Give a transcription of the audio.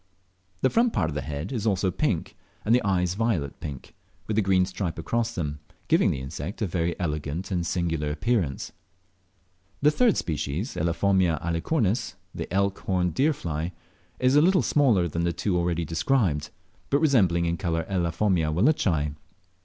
The front part of the head is also pink, and the eyes violet pink, with a green stripe across them, giving the insect a very elegant and singular appearance. The third species (Elaphomia alcicornis, the elk horned deer fly) is a little smaller than the two already described, but resembling in colour Elaphomia wallacei.